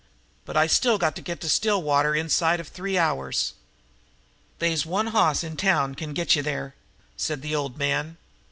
But I got to get to Stillwater inside of three hours." "They's one hoss in town can get you there," said the old man.